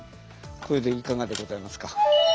これでいかがでございますか？